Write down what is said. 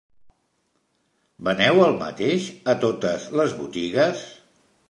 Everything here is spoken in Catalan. Veneu el mateix a totes les botigues?